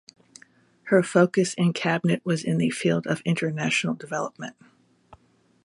Her focus in Cabinet was in the field of international development.